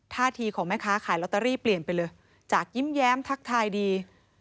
ท่าทีของแม่ค้าขายลอตเตอรี่เปลี่ยนไปเลยจากยิ้มแย้มทักทายดี